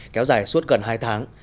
kéo dài suốt gần hai tháng